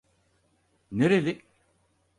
Nereli?